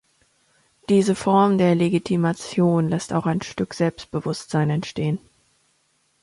Diese Form der Legitimation lässt auch ein Stück Selbstbewusstsein entstehen.